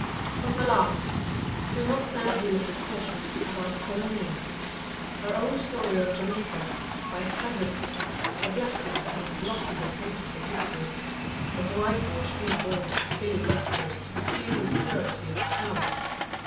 But, alas! we must now be a little cautious about calling names. Our own story of Jamaica by heaven! the blackest that has blotted the pages of history has whitewashed these border filibusteros to the seeming purity of snow!